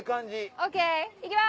ＯＫ行きます。